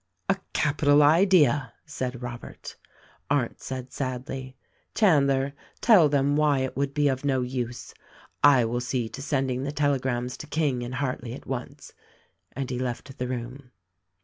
"A capital idea !'" said Robert. Arndt said sadly, "Chandler, tell them why it would be of no use. I will see to sending the telegrams to King and Hartleigh at once." And he left the room.